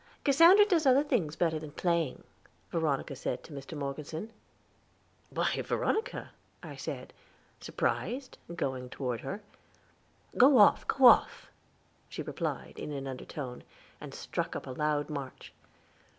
"Cassandra does other things better than playing," Veronica said to Mr. Morgeson. "Why, Veronica," I said, surprised, going toward her. "Go off, go off," she replied, in an undertone, and struck up a loud march.